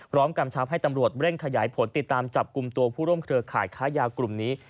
กำชับให้ตำรวจเร่งขยายผลติดตามจับกลุ่มตัวผู้ร่วมเครือข่ายค้ายากลุ่มนี้